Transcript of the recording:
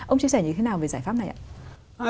ông chia sẻ như thế nào về giải pháp này ạ